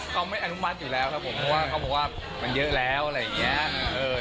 เขาไม่อนุมัติอยู่แล้วครับผมเพราะว่าเขาบอกว่ามันเยอะแล้วอะไรอย่างนี้